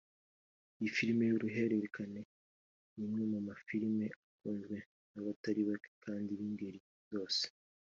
Iyi filime y’uruhererekane n’imwe mu ma filime akunzwe n’abatari bake kandi b’ingeri zose